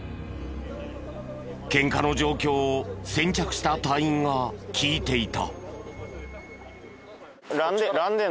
ケンカの状況を先着した隊員が聞いていた。